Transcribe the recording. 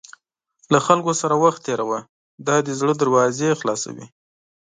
له خلکو سره وخت تېروه، دا د زړه دروازې خلاصوي.